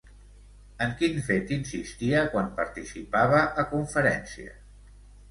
En quin fet insistia quan participava a conferències?